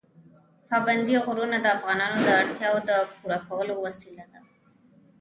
پابندی غرونه د افغانانو د اړتیاوو د پوره کولو وسیله ده.